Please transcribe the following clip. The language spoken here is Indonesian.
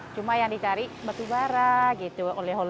cuma yang dicari batubara gitu